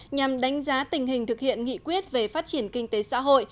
nhằm đánh giá tình hình thực hiện nghị quyết về phát triển kinh tế xã hội